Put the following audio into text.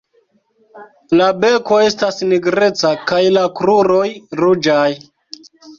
La beko estas nigreca kaj la kruroj ruĝaj.